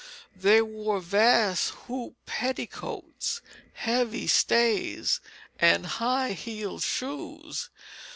They wore vast hoop petticoats, heavy stays, and high heeled shoes.